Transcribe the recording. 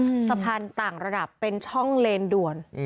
ใช่ไหมคะสะพานต่างระดับเป็นช่องเลนด่วน